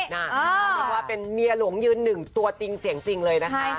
เรียกว่าเป็นเมียหลวงยืนหนึ่งตัวจริงเสียงจริงเลยนะคะ